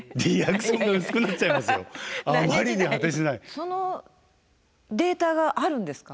そのデータがあるんですか？